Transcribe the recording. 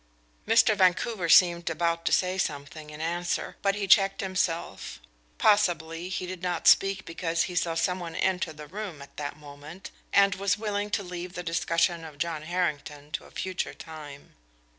Mr. Vancouver seemed about to say something in answer, but he checked himself; possibly he did not speak because he saw some one enter the room at that moment, and was willing to leave the discussion of John Harrington to a future time.